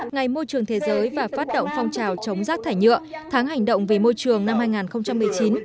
ngày môi trường thế giới và phát động phong trào chống rác thải nhựa tháng hành động về môi trường năm hai nghìn một mươi chín